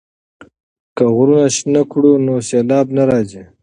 که غرونه شنه کړو نو سیلاب نه راځي.